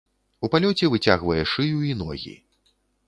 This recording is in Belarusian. У палёце выцягвае шыю і ногі.